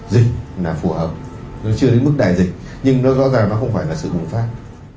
dịch là phù hợp nó chưa đến mức đại dịch nhưng nó rõ ràng nó không phải là sự bùng phát